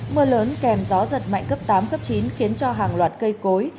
mưa lớn kèm gió giật mạnh cấp tám cấp chín khiến cho hàng loạt cây cối